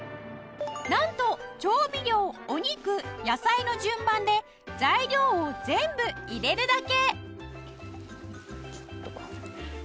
なんと調味料お肉野菜の順番で材料を全部入れるだけ。